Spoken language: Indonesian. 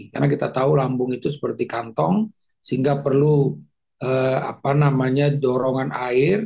karena kita tahu lambung itu seperti kantong sehingga perlu dorongan air